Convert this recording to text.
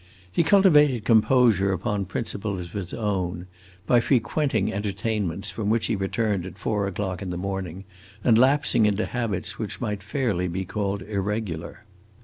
He cultivated composure upon principles of his own; by frequenting entertainments from which he returned at four o'clock in the morning, and lapsing into habits which might fairly be called irregular.